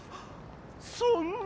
そんな。